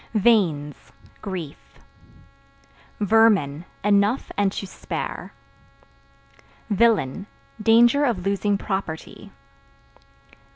Veins Grief. Vermin Enough and to spare. Villain Danger of losing property.